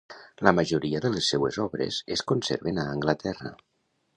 La majoria de les seues obres es conserven a Anglaterra.